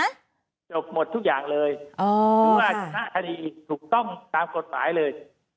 จบหมดทุกอย่างเลยหรือว่าชนะคดีถูกต้องตามกฎหมายเลย